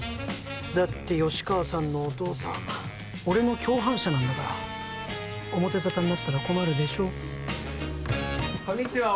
だって吉川さんのお父さん俺の共犯者なんだから表沙汰になったら困るでしょこんにちは